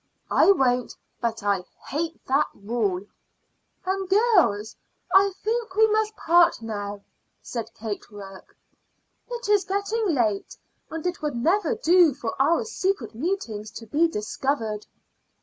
"I won't; but I hate that rule." "And, girls, I think we must part now," said Kate Rourke. "It is getting late, and it would never do for our secret meetings to be discovered."